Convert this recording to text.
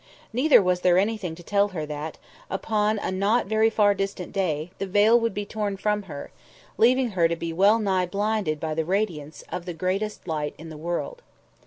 Neither was there anything to tell her that, upon a not very far distant day, the veil would be torn from her, leaving her to be well nigh blinded by the radiance of the greatest light in the world.